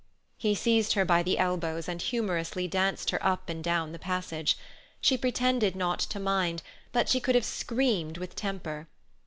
He seized her by the elbows and humorously danced her up and down the passage. She pretended not to mind, but she could have screamed with temper.